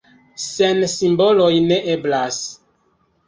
Sen simboloj ne eblas.